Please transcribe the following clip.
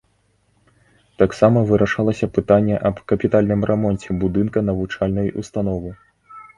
Таксама вырашалася пытанне аб капітальным рамонце будынка навучальнай установы.